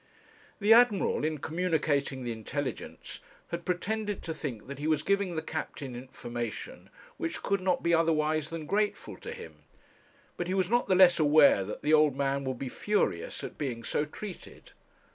The Admiral, in communicating the intelligence, had pretended to think that he was giving the captain information which could not be otherwise than grateful to him, but he was not the less aware that the old man would be furious at being so treated.